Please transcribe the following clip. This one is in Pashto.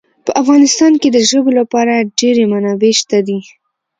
په افغانستان کې د ژبو لپاره ډېرې منابع شته دي.